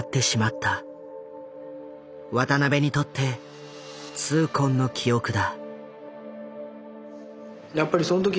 渡邊にとって痛恨の記憶だ。